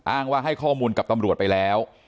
อ้างว่าให้ข้อมูลกับตำรวจไปแล้ว